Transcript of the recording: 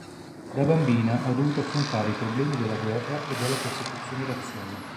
Da bambina ha dovuto affrontare i problemi della guerra e della persecuzione razziale.